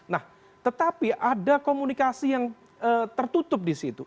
nah tetapi ada komunikasi yang tertutup disitu